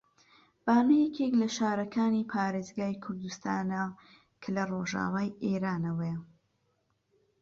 بانە یەکێک لە شارەکانی پارێزگای کوردستانە کە لە لای ڕۆژئاوای ئێرانەوەیە